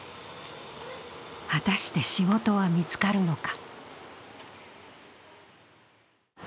果たして、仕事は見つかるのか。